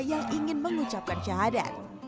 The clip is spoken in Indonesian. yang ingin mengucapkan syahadat